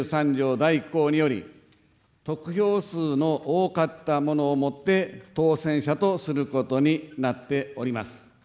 第１項により、得票数の多かった者をもって、当選者とすることになっております。